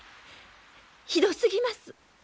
ひどすぎます！